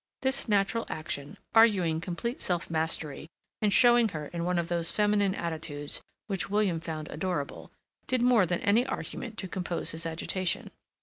This natural action, arguing complete self mastery, and showing her in one of those feminine attitudes which William found adorable, did more than any argument to compose his agitation.